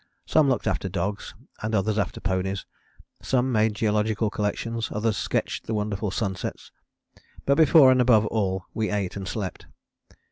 Some looked after dogs, and others after ponies; some made geological collections; others sketched the wonderful sunsets; but before and above all we ate and slept.